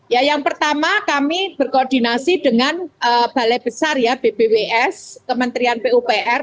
ya yang pertama kami berkoordinasi dengan balai besar ya bpws kementerian pupr